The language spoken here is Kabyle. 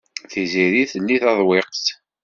Tiziri telli taḍwiqt.